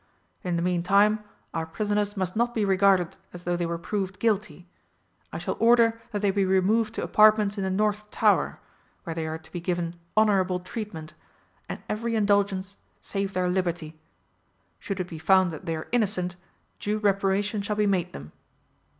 In the meantime our prisoners must not be regarded as though they were proved guilty. I shall order that they be removed to apartments in the North Tower, where they are to be given honourable treatment and every indulgence save their liberty. Should it be found that they are innocent, due reparation shall be made them."